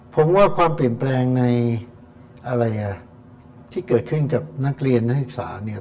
ผมว่าความเปลี่ยนแปลงในอะไรอ่ะที่เกิดขึ้นกับนักเรียนนักศึกษาเนี่ย